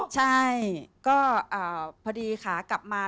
ใช่ก็พอดีขากลับมา